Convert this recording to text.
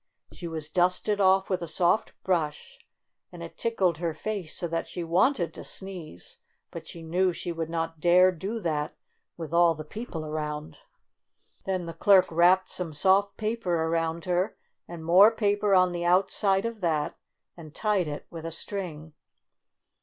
She was dusted off with a soft brush, and it tickled her face so that she wanted to sneeze, but she knew she would not dare do that with all the people around. Then the clerk wrapped some soft paper around her, and more paper on the outside of that and tied it with a string.